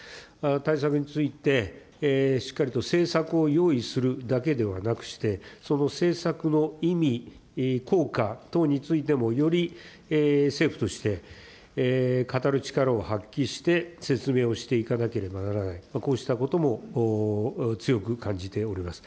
対策についてしっかりと政策を用意するだけではなくして、その政策の意味、効果等についてもより政府として語る力を発揮して、説明をしていかなければならない、こうしたことも強く感じております。